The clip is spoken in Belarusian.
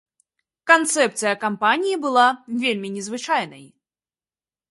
Канцэпцыя кампаніі была вельмі незвычайнай.